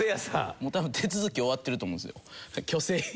もう多分手続き終わってると思うんですよ。